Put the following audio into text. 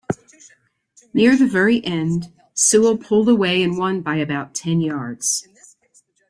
Near the very end, Sewell pulled away and won by about ten yards.